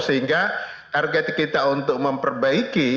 sehingga target kita untuk memperbaiki